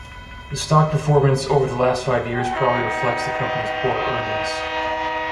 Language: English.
The stock performance over the last five years probably reflects the company's poor earnings.